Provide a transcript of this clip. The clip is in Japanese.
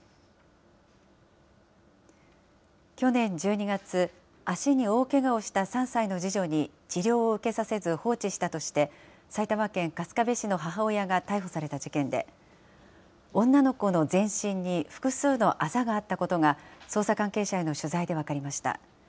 去年１２月、足に大けがをした３歳の次女に、治療を受けさせず放置したとして、埼玉県春日部市の母親が逮捕された事件で、女の子の全身に複数のあざがあったことが、捜査関係者への取材で分かりました。